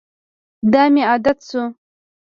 دا مې عادت شو.